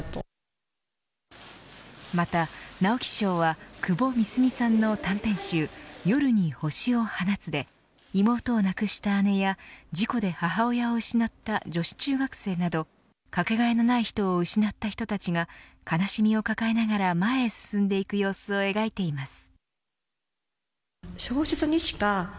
また直木賞は窪美澄さんの短編集夜に星を放つで妹を亡くした姉や事故で母親を失った女子中学生などかけがえのない人を失った人たちが悲しみを抱えながら前へ進んでいく様子を描いています。